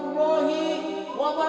wa rahmatullahi wa barakatuh